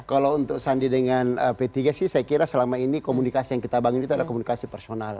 kalau untuk sandi dengan p tiga sih saya kira selama ini komunikasi yang kita bangun itu adalah komunikasi personal